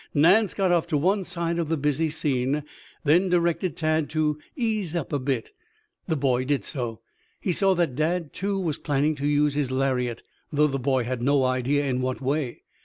Nance got off to one side of the busy scene, then directed Tad to ease up a bit. The boy did so. He saw that Dad, too, was planning to use his lariat, though the boy had no idea in what way.